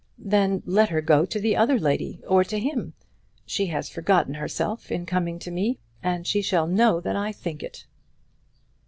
"Then let her go to the other lady, or to him. She has forgotten herself in coming to me, and she shall know that I think so."